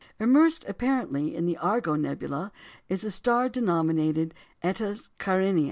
Immersed apparently in the Argo nebula is a star denominated Eta Carinæ.